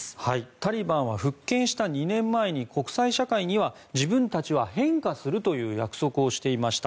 タリバンは復権した２年前に国際社会には自分たちは変化するという約束をしていました。